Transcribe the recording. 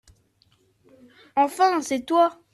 Enfin, c’est toi !